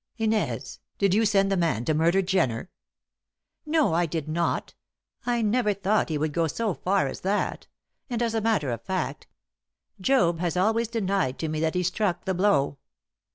"Inez! Did you send the man to murder Jenner?" "No, I did not. I never thought he would goo so far as that. And, as a matter of fact. Job has always denied to me that he struck the blow."